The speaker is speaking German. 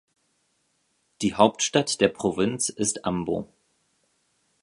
Die Hauptstadt der Provinz ist Ambo.